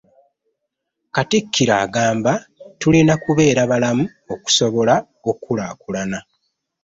Katikkiro agamba tulina kubeera balamu okusobola okukulaakulana